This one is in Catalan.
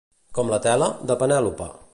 Com la tela de Penèlope.